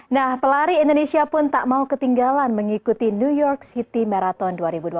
nah pelari indonesia pun tak mau ketinggalan mengikuti new york city marathon dua ribu dua puluh